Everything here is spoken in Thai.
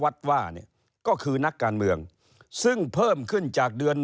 ซึ่งเพิ่มขึ้นจากเดือน